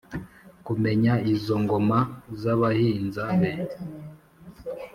kumenya izo ngoma z’abahinza be